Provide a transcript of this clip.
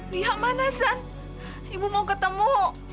lia mana san ibu mau ketemu